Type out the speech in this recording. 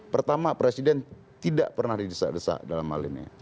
pertama presiden tidak pernah didesak desak dalam hal ini